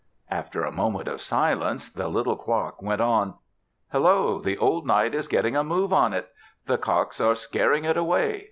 After a moment of silence the little clock went on: "Hello! The old night is getting a move on it. The cocks are scaring it away.